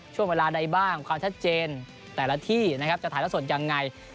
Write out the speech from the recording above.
ช่วงเวลาใดบ้างความชัดเจนแต่ละที่จะถ่ายลักษณ์ยังไง